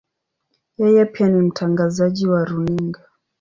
Yeye pia ni mtangazaji wa runinga.